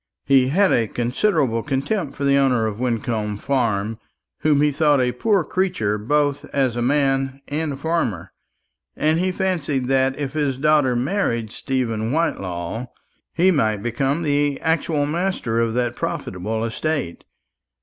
He had a considerable contempt for the owner of Wyncomb Farm, whom he thought a poor creature both as a man and a farmer; and he fancied that if his daughter married Stephen Whitelaw, he might become the actual master of that profitable estate.